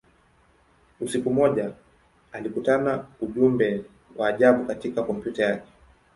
Usiku mmoja, alikutana ujumbe wa ajabu katika kompyuta yake.